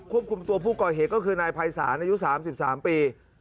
ควบคุมตัวผู้ก่อเหตุก็คือนายภัยศาลอายุ๓๓ปี